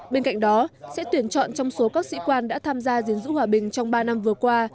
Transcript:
bên cạnh đó sẽ tuyển chọn trong số các sĩ quan đã tham gia diễn giữ hòa bình trong ba năm vừa qua